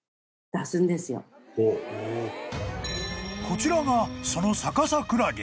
［こちらがその］